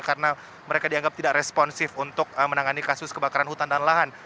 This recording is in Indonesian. karena mereka dianggap tidak responsif untuk menangani kasus kebakaran hutan dan lahan